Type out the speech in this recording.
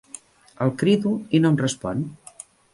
El crido i no em respon.